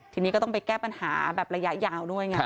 ทีนี้ก็ต้องไปแก้ปัญหาแบบระยะยาวด้วยไง